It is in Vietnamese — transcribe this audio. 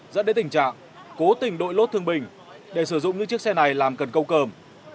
dẫn đến tình trạng cố tình đội lốt thương binh để sử dụng những chiếc xe này làm cần câu cơm